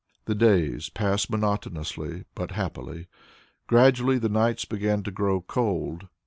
The days passed monotonously but happily. Gradually the nights began to grow cold.